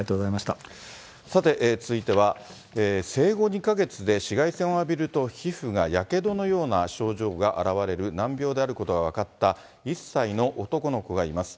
さて、続いては、生後２か月で紫外線を浴びると皮膚がやけどのような症状が現れる難病であることが分かった、１歳の男の子がいます。